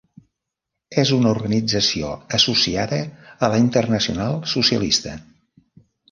És una organització associada a la Internacional Socialista.